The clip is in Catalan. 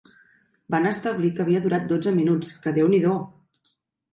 Van establir que havia durat dotze minuts, que déu-n'hi-do!